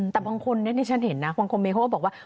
แต่บางคนนี่ฉันเห็นนะบางคนบอกว่า